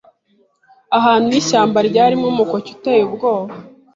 ahantu h’ishyamba ryarimo umukoke uteye ubwoba,